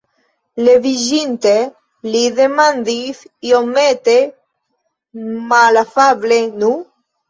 Leviĝinte li demandis iomete malafable: "Nu?"